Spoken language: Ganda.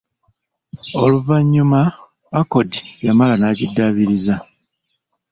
Oluvannyuma Accord yamala n'agidaabiriza.